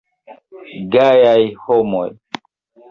Gajaj homoj.